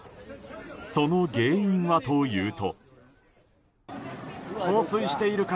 その原因はというと。